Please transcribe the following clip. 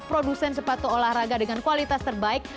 produsen sepatu olahraga dengan kualitas terbaik